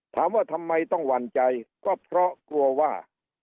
ถามว่าทำไมต้องหวั่นใจก็เพราะกลัวว่า